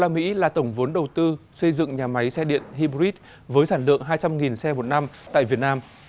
hạ tầng vốn đầu tư xây dựng nhà máy xe điện hybrid với sản lượng hai trăm linh xe một năm tại việt nam